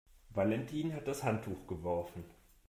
Valentin hat das Handtuch geworfen.